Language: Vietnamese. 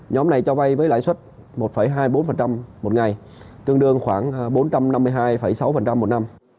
nhóm này cho vay với lãi suất một hai mươi bốn một ngày tương đương khoảng bốn trăm năm mươi hai sáu một năm